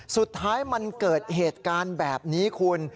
สุดท้ายมันเกิดเหตุการณ์แบบนี้คุณ